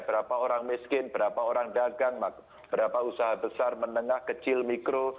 berapa orang miskin berapa orang dagang berapa usaha besar menengah kecil mikro